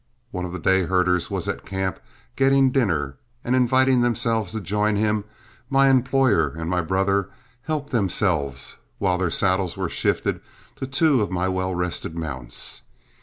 One of the dayherders was at camp getting dinner, and inviting themselves to join him, my employer and my brother helped themselves while their saddles were shifted to two of my well rested mounts.